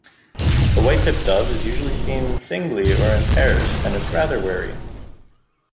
The white-tipped dove is usually seen singly or in pairs, and is rather wary.